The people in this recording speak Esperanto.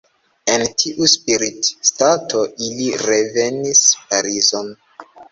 En tiu spiritstato ili revenis Parizon.